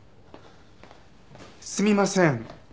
すみません。